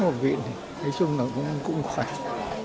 thế chung là cũng khỏe